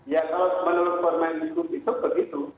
ya kalau menurut permen itu itu begitu